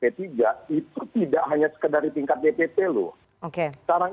itu tidak hanya sekadar tingkat dpp loh